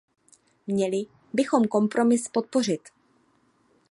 Měli bychom kompromis podpořit.